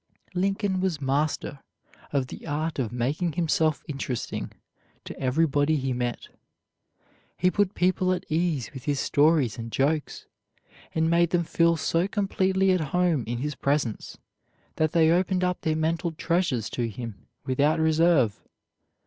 Lincoln was master of the art of making himself interesting to everybody he met. He put people at ease with his stories and jokes, and made them feel so completely at home in his presence that they opened up their mental treasures to him without reserve.